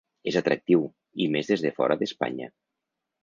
És atractiu, i més des de fora d’Espanya.